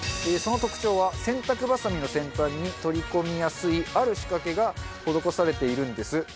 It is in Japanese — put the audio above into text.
その特徴は洗濯バサミの先端に取り込みやすいある仕掛けが施されているんです。